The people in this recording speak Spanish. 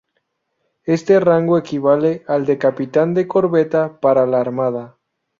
Este rango equivale al de capitán de corbeta para la Armada.